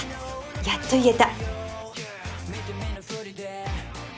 やっと言えた。